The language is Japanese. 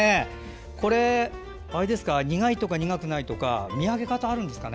これ、苦いとか苦くないとか見分け方あるんですかね？